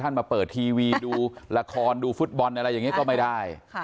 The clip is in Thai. มาเปิดทีวีดูละครดูฟุตบอลอะไรอย่างนี้ก็ไม่ได้